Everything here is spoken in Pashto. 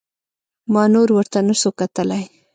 ما نور ورته نسو کتلاى.